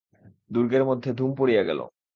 দুর্গের মধ্যে ধুম পড়িয়া গেল।